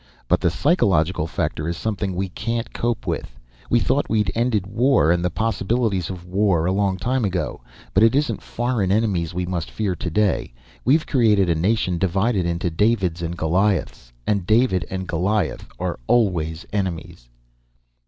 But the psychological factor is something we can't cope with. We thought we'd ended war and the possibilities of war a long time ago. But it isn't foreign enemies we must fear today. We've created a nation divided into Davids and Goliaths and David and Goliath are always enemies."